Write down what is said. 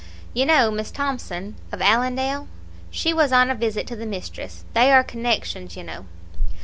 You know Miss Thomson of Allendale. She was on a visit to the mistress; they are connections, you know.